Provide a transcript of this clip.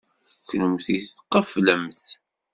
Kennemti tqeflemt.